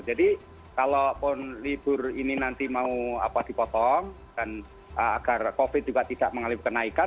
jadi kalau pun libur ini nanti mau dipotong dan agar covid juga tidak mengalami kenaikan